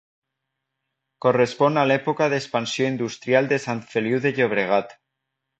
Correspon a l'època d'expansió industrial de Sant Feliu de Llobregat.